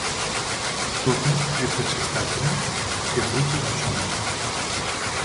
Τότε έψαξε στ' άχυρα και βρήκε το σώμα